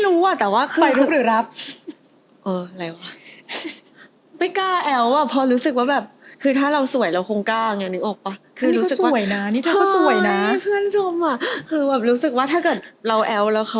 แล้วแอ้มเป็นฝ่าย